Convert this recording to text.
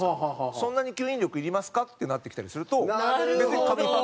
そんなに吸引力いりますか？ってなってきたりすると。